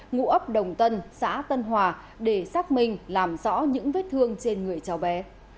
ngụ ấp đồng tân xã tân hòa để xác minh làm rõ những vết thương trên người cháu bé